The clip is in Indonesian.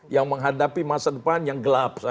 yang menghadapi masa depan yang gelap